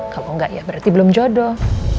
kalau enggak ya berarti belum jodoh